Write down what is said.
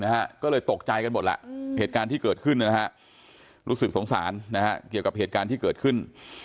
ก็เลยตกใจกันหมดแหละเหตุการณ์ที่เกิดขึ้นนะฮะรู้สึกสงสารนะฮะเกี่ยวกับเหตุการณ์ที่เกิดขึ้น